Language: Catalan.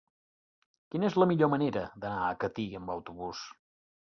Quina és la millor manera d'anar a Catí amb autobús?